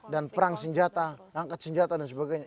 dan perang senjata angkat senjata dan sebagainya